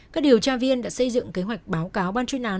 các điều tra viên đã xây dựng kế hoạch báo cáo ban chuyên án